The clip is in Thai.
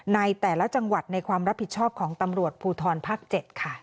ในแต่ละจังหวัดในความรับผิดชอบของตำรวจภูทรภาค๗ค่ะ